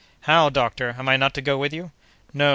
"How! doctor, am I not to go with you?" "No!